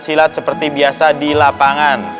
silat seperti biasa di lapangan